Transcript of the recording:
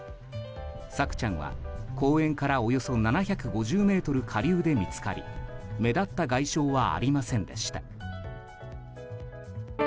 朔ちゃんは公園からおよそ７５０ｍ下流で見つかり目立った外傷はありませんでした。